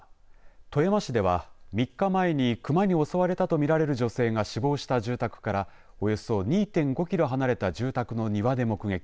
富山市では３日前に熊に襲われたと見られる女性が死亡した住宅からおよそ２．５キロ離れた住宅の庭で目撃。